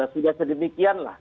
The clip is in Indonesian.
sudah sedemikian lah